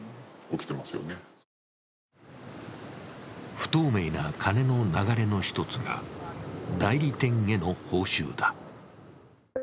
不透明な金の流れの１つが代理店への報酬だ。